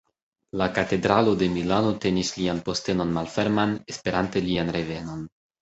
La katedralo de Milano tenis lian postenon malferman, esperante lian revenon.